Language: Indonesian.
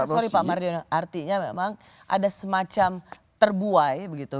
sorry pak mardiono artinya memang ada semacam terbuai begitu